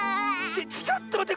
ちょっとまって！